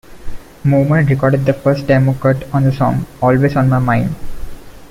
Moman recorded the first demo cut on the song "Always on My Mind".